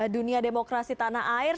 dunia demokrasi tanah air